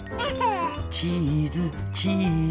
チーズチーズ！